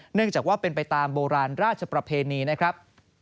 เนื่องจากว่าเป็นไปตามโบราณราชประเพณีนะครับ